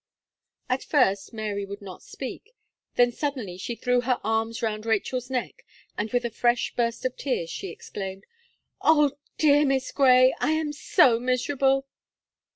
At first, Mary would not speak, then suddenly she threw her arms around Rachel's neck, and with a fresh burst of tears, she exclaimed: "Oh! dear, dear Miss Gray! I am so miserable."